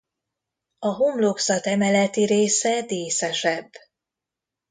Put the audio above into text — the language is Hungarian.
A homlokzat emeleti része díszesebb.